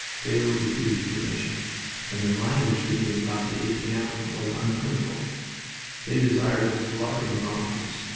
They were refused permission, and their language to me about the A.P.M. was unprintable. They desired his blood and bones.